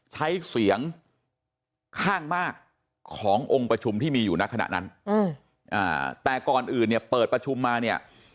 ใช้เสียงข้างมากขององค์ประชุมที่มีอยู่ในขณะนั้นแต่ก่อนอื่นเนี่ยเปิดประชุมมาเนี่ย